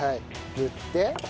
塗って。